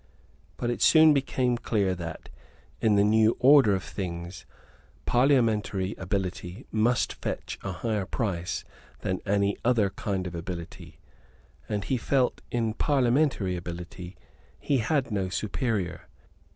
But it soon became clear that, in the new order of things, parliamentary ability must fetch a higher price than any other kind of ability; and he felt that in parliamentary ability he had no superior.